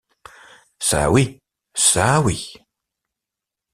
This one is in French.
Ça oui, ça oui...